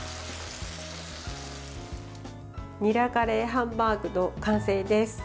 にらカレーハンバーグの完成です。